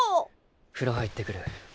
フロ入ってくる。